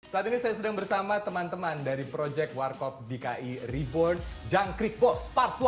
saat ini saya sedang bersama teman teman dari proyek warkop dki reborn jangkrik bos part dua